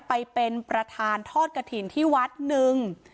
ไปเป็นประธานทอดกระถิ่นที่วัดหนึ่ง